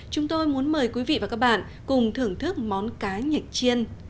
chúng tôi muốn mời quý vị và các bạn cùng thưởng thức món cá nhịch chiên